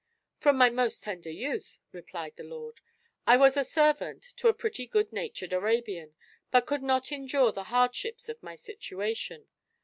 "From my most tender youth," replied the lord. "I was a servant to a pretty good natured Arabian, but could not endure the hardships of my situation.